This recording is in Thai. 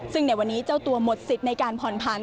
ซึ่งในวันนี้เจ้าตัวหมดสิทธิ์ในการผ่อนพันธ